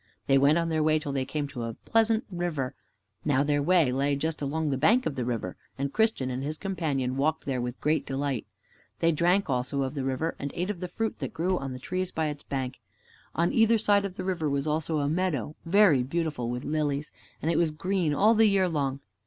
They went on their way till they came to a pleasant river. Now their way lay just along the bank of the river, and Christian and his companion walked there with great delight. They drank also of the river, and ate of the fruit that grew on the trees by its bank. On either side of the river was also a meadow, very beautiful with lilies, and it was green all the year long.